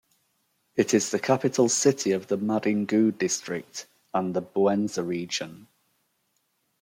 It is the capital city of the Madingou District and the Bouenza Region.